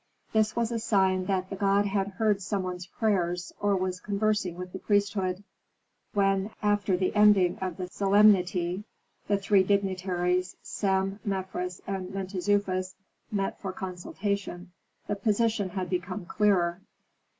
This was a sign that the god had heard some one's prayers, or was conversing with the priesthood. When, after the ending of the solemnity, the three dignitaries Sem, Mefres, and Mentezufis met for consultation, the position had become clearer.